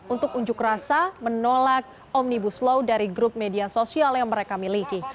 untuk unjuk rasa menolak omnibus law dari grup media sosial yang mereka miliki